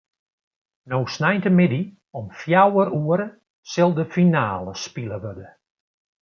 No sneintemiddei om fjouwer oere sil de finale spile wurde.